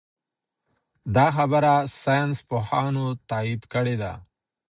دا خبره ساینس پوهانو تایید کړې ده.